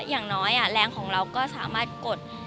อย่างน้อยแรงของเราก็สามารถกด